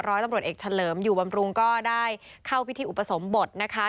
ร้อยตำรวจเอกเฉลิมอยู่บำรุงก็ได้เข้าพิธีอุปสมบทนะคะ